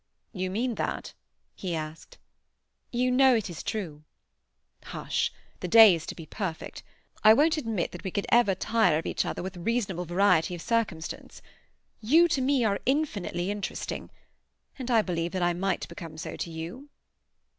"You mean that?" he asked. "You know it is true." "Hush! The day is to be perfect. I won't admit that we could ever tire of each other with reasonable variety of circumstance. You to me are infinitely interesting, and I believe that I might become so to you."